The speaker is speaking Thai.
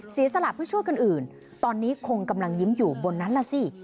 เสียสละเพื่อช่วยคนอื่นตอนนี้คงกำลังยิ้มอยู่บนนั้นล่ะสิ